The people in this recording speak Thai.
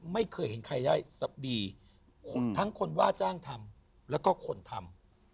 ไม่เคยเห็นใครได้สับดีทั้งคนว่าจ้างทำแล้วก็คนทำ